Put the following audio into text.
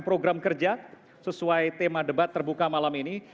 program kerja sesuai tema debat terbuka malam ini